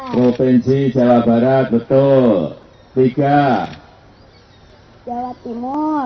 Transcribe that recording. provinsi jawa timur betul tiga empat